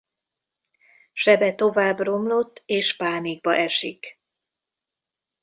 Sebe tovább romlott és pánikba esik.